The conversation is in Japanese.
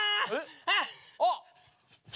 あっ。